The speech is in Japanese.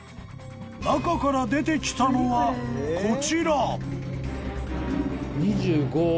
［中から出てきたのはこちら］